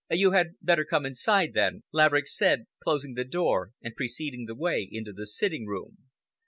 "You had better come inside, then," Laverick said, closing the door and preceding the way into the sitting room.